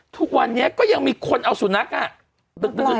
ทุกวันนี้ก็ยังมีคนเอาสุนัขอ่ะ